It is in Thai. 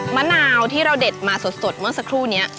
มะนาวที่เราเด็ดมาสดเมื่อสักครู่นี้